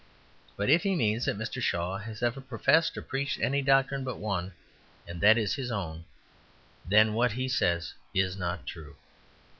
But if he means that Mr. Shaw has ever professed or preached any doctrine but one, and that his own, then what he says is not true.